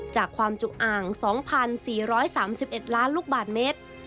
จากความจุอ่าง๒๔๓๑ล้านลูกบาทเมตร